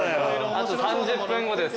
あと３０分後です。